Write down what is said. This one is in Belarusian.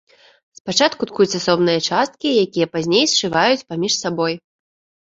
Спачатку ткуць асобныя часткі, якія пазней сшываюць паміж сабой.